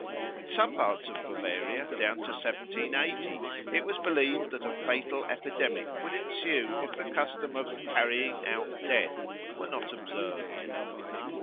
In some parts of Bavaria down to 1780 it was believed that a fatal epidemic would ensue if the custom of "Carrying out Death" were not observed.